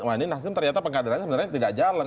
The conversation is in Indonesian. wah ini nasdem ternyata pengkaderannya sebenarnya tidak jalan